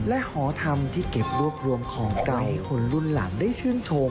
และหอธรรมที่เก็บรวบรวมของไก่ให้คนรุ่นหลังได้ชื่นชม